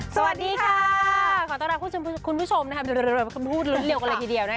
สวัสดีค่ะขอต้อนรับคุณผู้ชมนะครับ